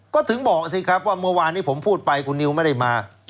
ก็ถึงบอกสิครับว่าเมื่อวานนี้ผมพูดไปคุณนิวไม่ได้มา